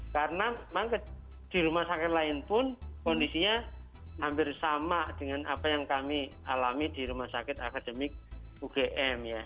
karena di rumah sakit lain pun kondisinya hampir sama dengan apa yang kami alami di rumah sakit akademik ugm